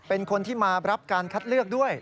เป็นคนที่มารับการคัดเลือกด้วย